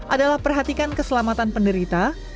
adalah perhatikan keselamatan penderita